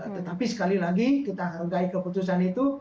tetapi sekali lagi kita hargai keputusan itu